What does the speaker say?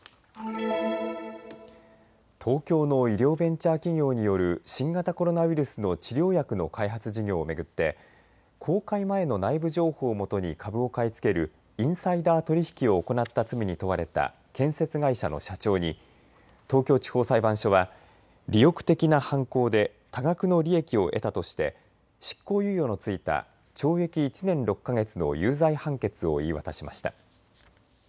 東京の医療ベンチャー企業による新型コロナウイルスの治療薬の開発事業を巡って公開前の内部情報をもとに株を買い付けるインサイダー取引を行った罪に問われた建設会社の社長に東京地方裁判所は利欲的な犯行で多額の利益を得たとして執行猶予の付いた懲役１年６か月の有罪判決を言い渡しました。